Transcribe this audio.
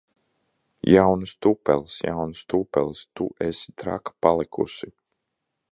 Jaunas tupeles! Jaunas tupeles! Tu esi traka palikusi!